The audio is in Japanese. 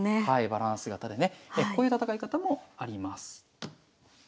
はいバランス型でねこういう戦い方もあります。